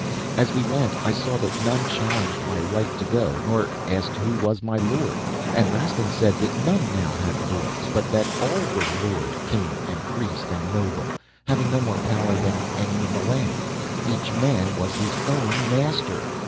As we went I saw that none challenged my right to go, nor asked who was my lord. And Rastin said that none now had lords, but that all were lord, king and priest and noble, having no more power than any in the land. Each man was his own master!